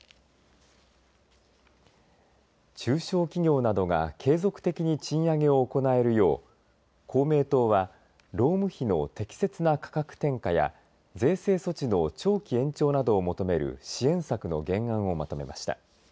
中小企業などが継続的に賃上げを行えるよう公明党は労務費の適切な価格転嫁や税制措置の長期延長などを求める支援策の原案をまとめました。